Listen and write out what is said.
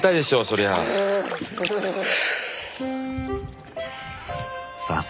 そりゃあ。